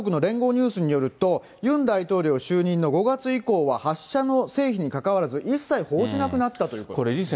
ニュースによると、ユン大統領就任の５月以降は、発射の成否にかかわらず、一切報じなくなったということです。